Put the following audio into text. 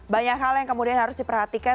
banyak hal yang kemudian harus diperhatikan